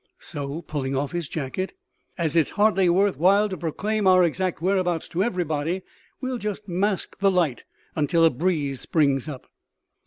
So," pulling off his jacket, "as it's hardly worth while to proclaim our exact whereabouts to everybody, we'll just mask the light until a breeze springs up."